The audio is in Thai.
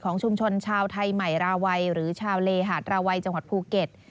ชุมชนชาวไทยใหม่ราวัยหรือชาวเลหาดราวัยจังหวัดภูเก็ต